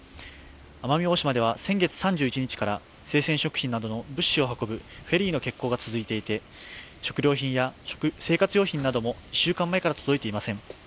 奄美大島では先月３１日から生鮮食品などの物資を運ぶフェリーの欠航が続いていて食料品や生活用品なども１週間前から届いていません。